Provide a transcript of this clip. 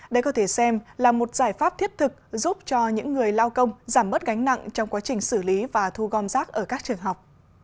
đây có thể xem là một giải pháp thiết thực giúp cho những người lao công giảm bớt gánh nặng trong quá trình xử lý và thu gom rác ở các trường học